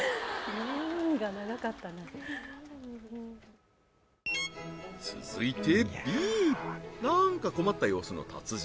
うーんが長かったな続いてＢなんか困った様子の達人